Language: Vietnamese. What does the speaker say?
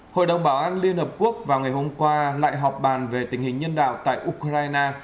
hội đồng bảo an liên hợp quốc vào ngày hôm qua lại họp bàn về tình hình nhân đạo tại ukraine